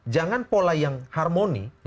jangan pola yang harmoni